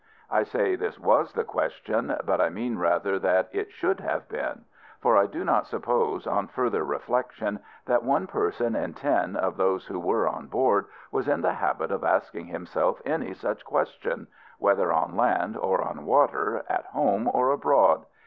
I say this was the question; but I mean rather that it should have been: for I do not suppose, on further reflection, that one person in ten of those who were on board was in the habit of asking himself any such question whether on land or on water, at home or abroad.